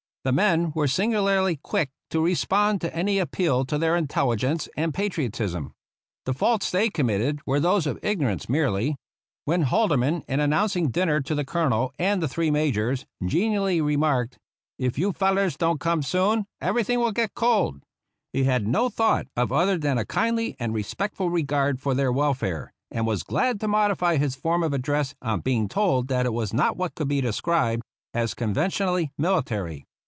The men were singularly quick to re spond to any appeal to their intelligence and patri otism. The faults they committed were those of ignorance merely. When Holderman, in an nouncing dinner to the Colonel and the three Majors, genially remarked, " If you fellars don't come soon, everything '11 get cold," he had no thought of other than a kindly and respectful re gard for their welfare, and was glad to modify his form of address on being told that it was not what could be described as conventionally military.